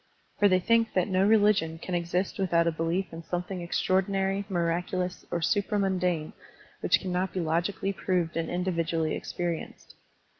For they think that no religion can exist without a belief' in something extraordi nary, miractilous, or supramundane which cannot be logically proved and individually experi enced.